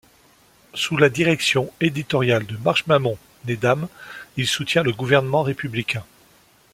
Sous la direction éditoriale de Marchamont Nedham, il soutient les gouvernements républicains.